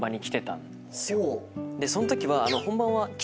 そんときは。